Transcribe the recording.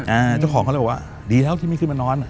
เจ้าของเขาเลยบอกว่าดีแล้วที่ไม่ขึ้นมานอน